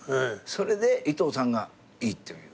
それで伊東さんがいいという。